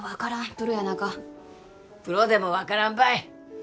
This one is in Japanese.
プロやなかプロでも分からんばい